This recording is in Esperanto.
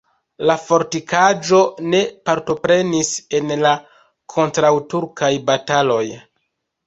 La fortikaĵo ne partoprenis en la kontraŭturkaj bataloj.